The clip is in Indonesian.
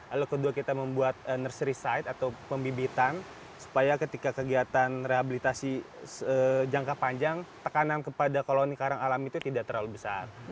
lalu kedua kita membuat nursery side atau pembibitan supaya ketika kegiatan rehabilitasi jangka panjang tekanan kepada koloni karang alam itu tidak terlalu besar